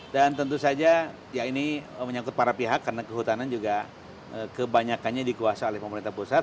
dan tentu saja ya ini menyangkut para pihak karena kehutanan juga kebanyakannya dikuasai oleh pemerintah pusat